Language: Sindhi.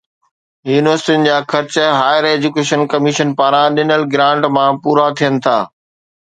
يونيورسٽين جا خرچ هائير ايجوڪيشن ڪميشن پاران ڏنل گرانٽ مان پورا ٿين ٿا